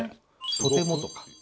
「とても」とか。